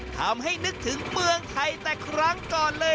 ทำให้นึกถึงเมืองไทยแต่ครั้งก่อนเลย